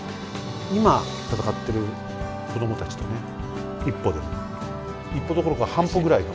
今戦ってる子供たちとね一歩でも一歩どころか半歩ぐらい。